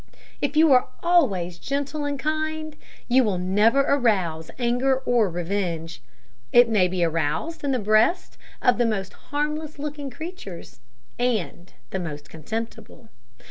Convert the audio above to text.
If you are always gentle and kind, you will never arouse anger or revenge. It may be aroused in the breast of the most harmless looking creatures and the most contemptible.